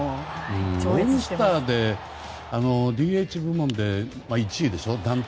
オールスターでＤＨ部門で１位でしょ。